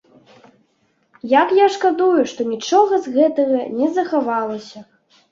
Як я шкадую, што нічога з гэтага не захавалася!